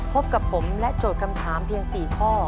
พบกับผมและโจทย์คำถามเพียง๔ข้อ